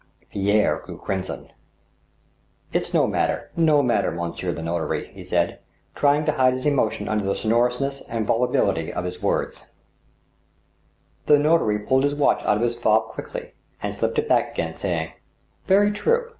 Pierre grew crimson. " It's no matter — no matter. Monsieur the Notary," he said, try ing to hide his emotion under the sonorousness and volubility of his words. l6 THE STEEL HAMMER, The notary pulled his watch out of his fob quickly, and slipped it back again, saying :" Very true.